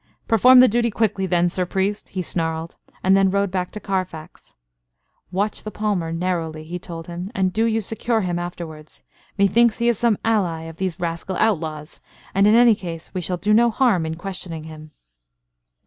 "Perform the duty quickly then, Sir Priest," he snarled; and then rode back to Carfax. "Watch the palmer narrowly," he told him, "and do you secure him afterwards. Methinks he is some ally of these rascal outlaws; and, in any case, we shall do no harm in questioning him."